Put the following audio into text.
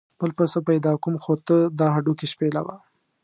بل پسه پیدا کوم خو ته دا هډوکي شپېلوه.